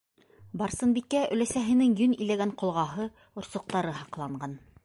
Барсынбикә өләсәһенең йөн иләгән ҡолғаһы, орсоҡтары һаҡланған.